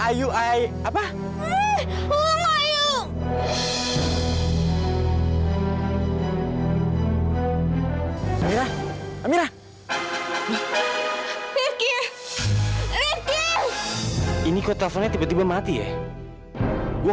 aku harus bisa lepas dari sini sebelum orang itu datang